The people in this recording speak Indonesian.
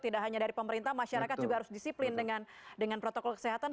tidak hanya dari pemerintah masyarakat juga harus disiplin dengan protokol kesehatan